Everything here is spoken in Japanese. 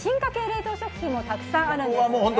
冷凍食品もたくさんあるんですよね。